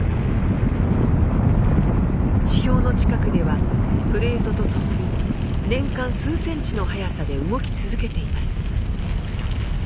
地表の近くではプレートと共に年間数センチの速さで動き続けています。